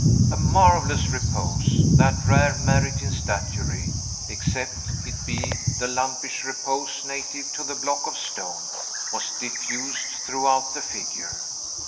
A marvellous repose that rare merit in statuary, except it be the lumpish repose native to the block of stone was diffused throughout the figure.